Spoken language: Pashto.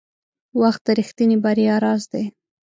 • وخت د رښتیني بریا راز دی.